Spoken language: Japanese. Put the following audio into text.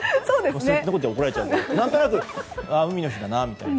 そんなこと言うと怒られちゃうけど何となく海の日だなみたいな。